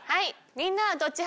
みんなはどっち派？